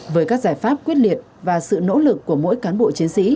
với các giải pháp quyết liệt và sự nỗ lực của mỗi cán bộ chiến sĩ